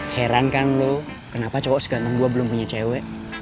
heran kan lu kenapa cowok seganteng gua belum punya cewek